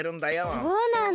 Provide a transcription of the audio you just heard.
そうなんだ。